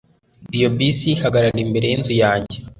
iyo bisi ihagarara imbere yinzu yanjye